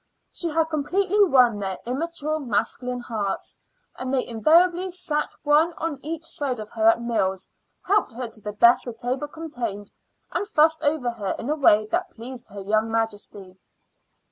She had completely won their immature masculine hearts, and they invariably sat one on each side of her at meals, helped her to the best the table contained, and fussed over her in a way that pleased her young majesty.